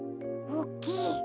おっきい。